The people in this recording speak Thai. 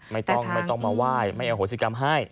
ไม่ต้องมาไหว่ไม่เอาโหสิกรรมให้